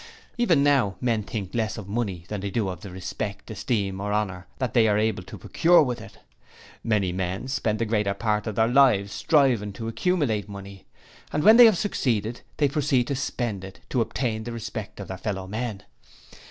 'Even now men think less of money than they do of the respect, esteem or honour they are able to procure with it. Many men spend the greater part of their lives striving to accumulate money, and when they have succeeded, they proceed to spend it to obtain the respect of their fellow men.